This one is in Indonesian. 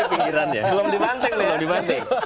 belum dibanteng loh dibanteng